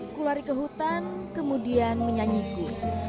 aku lari ke hutan kemudian menyanyiki